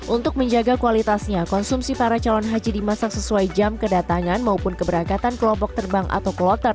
untuk menjaga kualitasnya konsumsi para calon haji dimasak sesuai jam kedatangan maupun keberangkatan kelompok terbang atau kloter